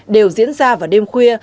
đều diễn ra vào đêm khuya